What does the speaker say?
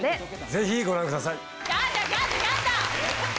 ぜひご覧ください。